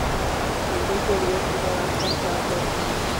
منزل کے لیے سیدھا راستہ اختیار کرتا ہوں